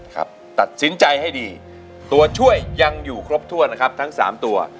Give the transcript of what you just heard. ตัดสินใจให้ดีตัวช่วยยังอยู่ครบถ้วนนะครับทั้งสามตัว